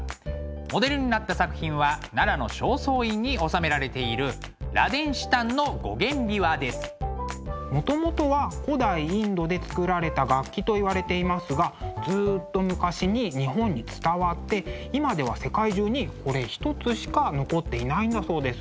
モデルになった作品は奈良の正倉院に収められているもともとは古代インドで作られた楽器といわれていますがずっと昔に日本に伝わって今では世界中にこれ一つしか残っていないんだそうです。